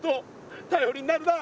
たよりになるなあ。